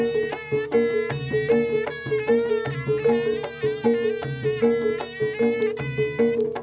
tentang orang orang yang mengabdikan hidup untuk alam agar seimbang